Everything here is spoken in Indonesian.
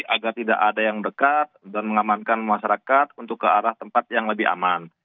agar tidak ada yang dekat dan mengamankan masyarakat untuk ke arah tempat yang lebih aman